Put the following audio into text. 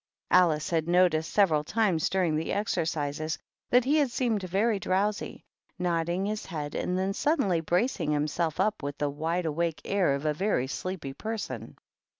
Alice had noticed several times during the exercises that he had seemed very drowsy, nodding his head, and then suddenly bracing himself up with the wide awake air of a very sleepy person.